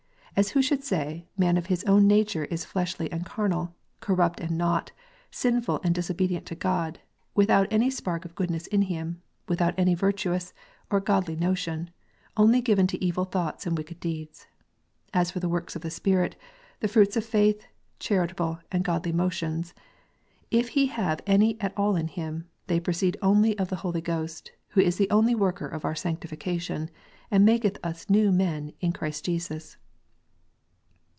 As who should say, man of his own nature is fleshly and carnal, corrupt and naught, sinful and disobedient to God, without any spark of goodness in him, without any virtuous or godly notion, only given to evil thoughts and wicked deeds. As for the works of the Spirit, the fruits of faith, charitable and godly motions, if he have any at all in him, they proceed only of the Holy Ghost, who is the only worker of our sanctification, and maketh us new men in Christ Jesus.